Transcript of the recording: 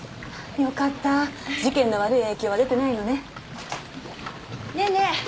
よかった事件の悪い影響は出てないのねねぇねぇ